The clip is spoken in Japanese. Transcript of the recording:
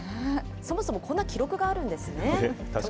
そもそもこんな記録があるんですね。